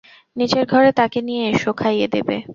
নীচের ঘরে তাঁকে নিয়ে এসো, খাইয়ে দেবে।